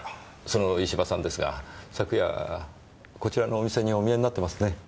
その石場さんですが昨夜こちらのお店にお見えになってますね？